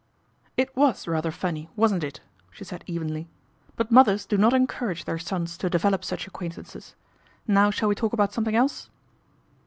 " It was rather funny, wasn't it ?" she said evenly ;" but mothers do not encourage their sons to develop such acquaintances. Now shall we talk about something else